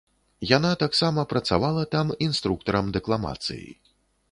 Яна таксама працавала там інструктарам дэкламацыі.